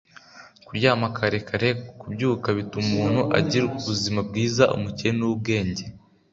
Kuryama kare kare kubyuka bituma umuntu agira ubuzima bwiza umukire nubwenge